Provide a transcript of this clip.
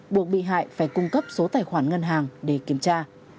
buộc bị hại phải cung cấp số tài khoản ngân hàng để kiểm tra